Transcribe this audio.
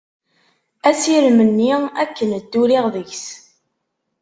Asirem-nni akken dduriɣ deg-s.